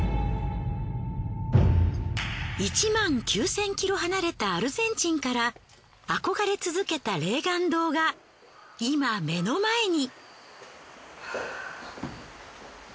１万９，０００キロ離れたアルゼンチンから憧れ続けた霊巌洞が今目の前に。